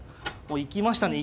行きましたね。